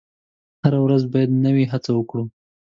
هره ورځ باید نوې هڅه وکړو.